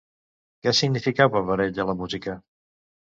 Què significava per a ella la música?